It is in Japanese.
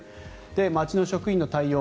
町の職員の対応